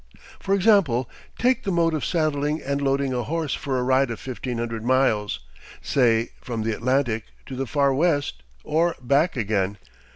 For example, take the mode of saddling and loading a horse for a ride of fifteen hundred miles, say, from the Atlantic to the Far West, or back again.